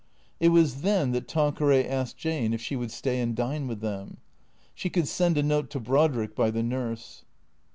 It was then that Tanqueray asked Jane if she would stay and dine with them. She could send a note to Brodrick by the nurse.